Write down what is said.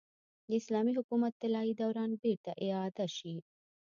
د اسلامي حکومت طلايي دوران بېرته اعاده شي.